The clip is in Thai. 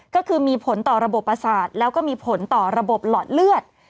ก็คือมีผลต่อระบบประสาทแล้วก็มีผลต่อระบบหลอดเลือด